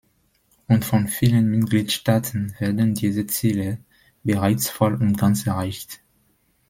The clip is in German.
Und von vielen Mitgliedstaaten werden diese Ziele bereits voll und ganz erreicht.